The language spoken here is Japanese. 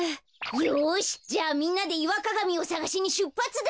よしじゃあみんなでイワカガミをさがしにしゅっぱつだ。